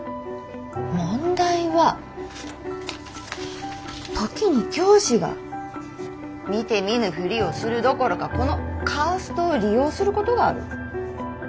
問題は時に教師が見て見ぬふりをするどころかこのカーストを利用することがある。